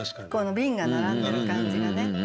この瓶が並んでる感じがね。